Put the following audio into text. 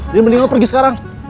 jadi mending lu pergi sekarang